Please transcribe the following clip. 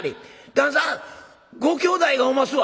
「旦さんご兄弟がおますわ。